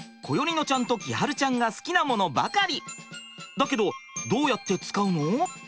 だけどどうやって使うの？